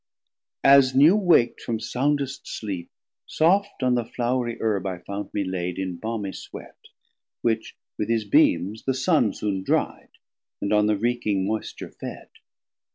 As new wak't from soundest sleep Soft on the flourie herb I found me laid In Balmie Sweat, which with his Beames the Sun Soon dri'd, and on the reaking moisture fed.